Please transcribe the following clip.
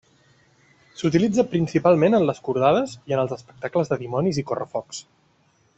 S'utilitza principalment en les cordades i en els espectacles de dimonis i correfocs.